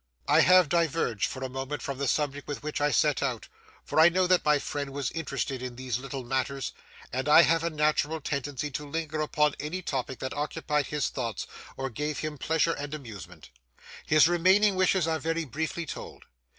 I have diverged for a moment from the subject with which I set out, for I know that my friend was interested in these little matters, and I have a natural tendency to linger upon any topic that occupied his thoughts or gave him pleasure and amusement. His remaining wishes are very briefly told.